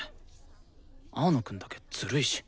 青野くんだけずるいし。